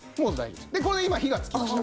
これで今火がつきました。